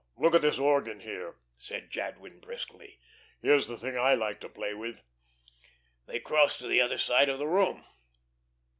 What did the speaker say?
"Say, look at this organ here," said Jadwin briskly. "Here's the thing I like to play with." They crossed to the other side of the room.